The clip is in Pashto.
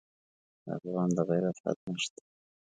د افغان د غیرت حد نه شته.